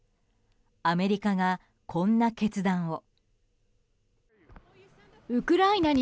アメリカが、こんな決断を。